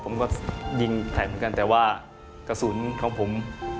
ผมก็ยิงใส่เหมือนกันแต่ว่ากระสุนของผม